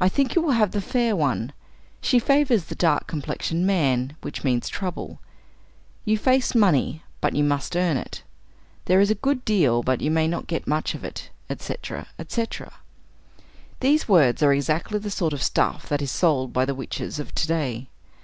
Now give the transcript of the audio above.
I think you will have the fair one. She favors the dark complexioned man, which means trouble. You face money, but you must earn it. There is a good deal, but you may not get much of it" etc., etc. These words are exactly the sort of stuff that is sold by the witches of to day.